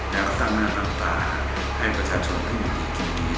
แล้วก็สร้างหน้าต่ำตาให้ประชาชนขึ้นอย่างดีกี่ปี